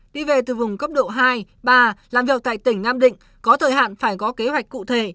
đi về từ vùng cấp độ hai ba làm việc tại tỉnh nam định có thời hạn phải có kế hoạch cụ thể